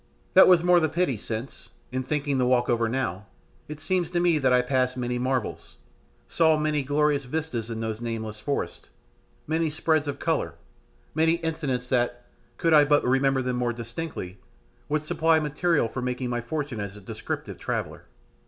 That was the more pity since, in thinking the walk over now, it seems to me that I passed many marvels, saw many glorious vistas in those nameless forests, many spreads of colour, many incidents that, could I but remember them more distinctly, would supply material for making my fortune as a descriptive traveller.